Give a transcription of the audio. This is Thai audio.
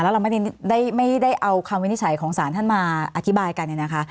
แล้วเราไม่ได้เอาคำวินิจฉัยของศาลท่านมาอธิบายกัน